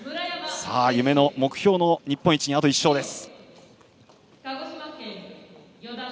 夢の目標の日本一にあと１勝です。